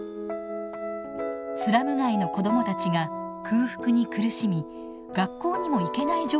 スラム街の子どもたちが空腹に苦しみ学校にも行けない状況を目にしたのです。